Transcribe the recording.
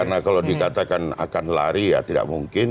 karena kalau dikatakan akan lari ya tidak mungkin